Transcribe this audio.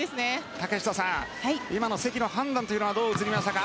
竹下さん、今の関の判断はどう映りましたか？